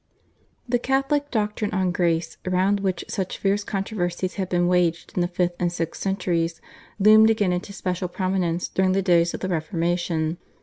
The Catholic doctrine on Grace, round which such fierce controversies had been waged in the fifth and sixth centuries, loomed again into special prominence during the days of the Reformation.